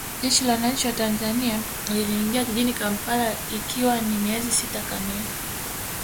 Jeshi la Wananchi wa Tanzania liliingia jijini Kampala ikiwa ni miezi sita kamili